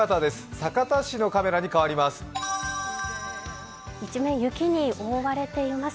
酒田市のカメラに変わります。